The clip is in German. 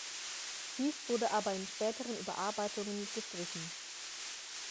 Dies wurde aber in späteren Überarbeitungen gestrichen.